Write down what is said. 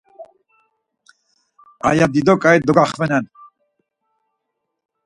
Aya dido k̆ai dogaxvenen.